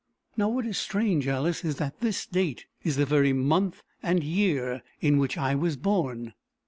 Now what is strange, Alice, is, that this date is the very month and year in which I was born."